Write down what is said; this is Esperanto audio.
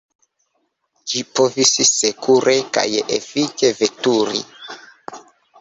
Ĝi povis sekure kaj efike veturi.